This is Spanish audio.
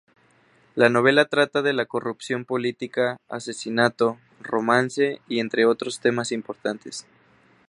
La novela trata de la corrupción política, asesinato, romance y entre otros temas importantes.